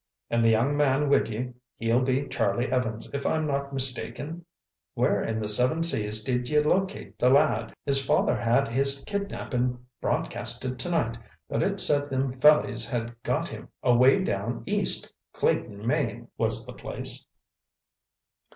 An' the young man wid ye—he'll be Charlie Evans, if I'm not mistaken? Where in the seven seas did ye locate the lad? His father had his kidnappin' broadcasted t'night, but it said them fellies had got him away down east—Clayton, Maine, was the place."